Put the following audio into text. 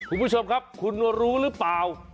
คุณผู้ชมครับคุณรู้หรือเปล่า